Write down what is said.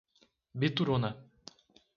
Bituruna